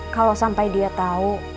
kalau sampai dia tahu